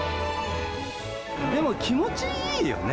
でも気持ちいいよね。